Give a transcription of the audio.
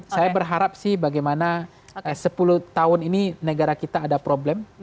saya berharap sih bagaimana sepuluh tahun ini negara kita ada problem